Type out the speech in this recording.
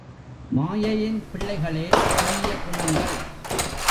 மாயையின் பிள்ளைகளே தீய குணங்கள்.